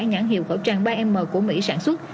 nhãn hiệu khẩu trang ba m của mỹ sản xuất